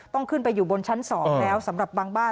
ต้องขึ้นไปอยู่บนชั้น๒แล้วสำหรับบางบ้าน